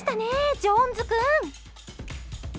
ジョーンズ君。